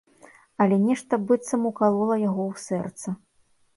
Але нешта быццам укалола яго ў сэрца.